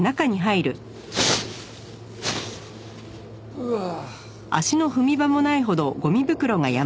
うわあ。